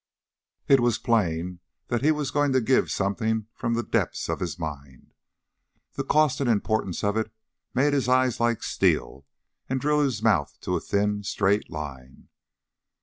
It was plain that he was going to give something from the depths of his mind. The cost and importance of it made his eyes like steel and drew his mouth to a thin, straight line.